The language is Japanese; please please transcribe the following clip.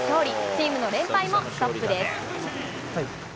チームの連敗もストップです。